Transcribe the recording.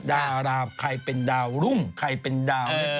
ดาราใครเป็นดาวรุ่งใครเป็นดาว